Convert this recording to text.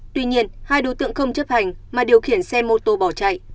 tuy nhiên hai đối tượng không chấp hành mà điều khiển xe mô tô bỏ chạy